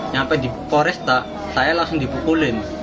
sampai di koresta saya langsung dibukulin